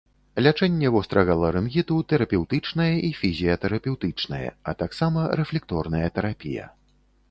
Лячэнне вострага ларынгіту тэрапеўтычнае і фізіятэрапеўтычнае, а таксама рэфлекторная тэрапія.